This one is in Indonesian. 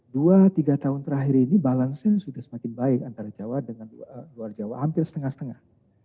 dua tiga tahun terakhir ini balance sudah semakin baik antara jawa dengan luar jawa hampir setengah setengah